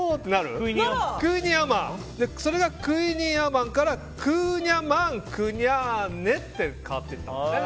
クイニーアマンからクーニャマン、クニャーネって変わっていったんですね。